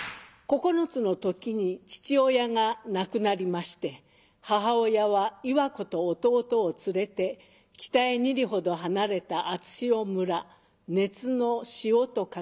９つの時に父親が亡くなりまして母親は岩子と弟を連れて北へ２里ほど離れた熱塩村熱の塩と書きますが。